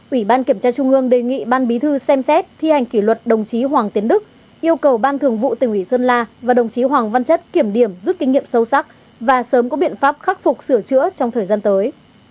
ủy ban kiểm tra trung ương đề nghị ban bí thư xem xét thi hành kỷ luật đồng chí hoàng tiến đức yêu cầu ban thường vụ tỉnh ủy sơn la và đồng chí hoàng văn chất kiểm điểm rút kinh nghiệm sâu sắc và sớm có biện pháp khắc phục sửa chữa trong thời gian tới